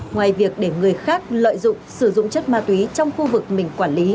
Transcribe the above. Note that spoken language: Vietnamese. ngoài việc để người khác lợi dụng sử dụng chất ma túy trong khu vực mình